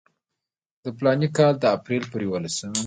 د فلاني کال د اپریل پر یوولسمه.